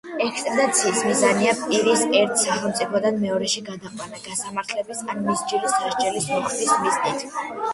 ექსტრადიციის მიზანია პირის ერთი სახელმწიფოდან მეორეში გადაყვანა გასამართლების ან მისჯილი სასჯელის მოხდის მიზნით.